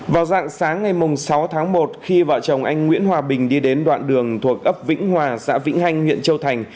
vào dạng sáng ngày sáu tháng một khi vợ chồng anh nguyễn hòa bình đi đến đoạn đường thuộc ấp vĩnh hòa xã vĩnh hanh huyện châu thành